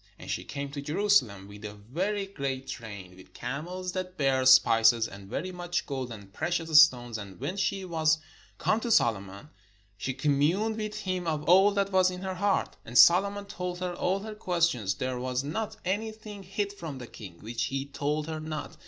And she came to Jeru salem with a very great train, with camels that bare spices, and very much gold, and precious stones: and when she was come to Solomon, she communed with him of all that was in her heart. And Solomon told her all her questions: there was not anything hid from the king, which he told her not.